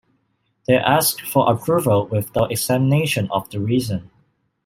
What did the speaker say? They ask for approval without examination of the reason.